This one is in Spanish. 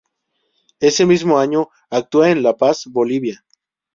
Ese mismo año actúa en La Paz, Bolivia.